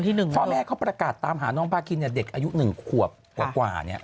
พ่อแม่เขาประกาศตามหาน้องพาคินเด็กอายุ๑ขวบกว่า